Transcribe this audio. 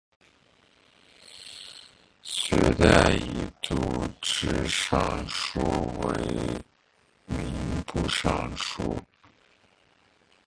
隋代以度支尚书为民部尚书。